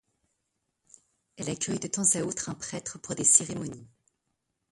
Elle accueille de temps à autre un prêtre pour des cérémonies.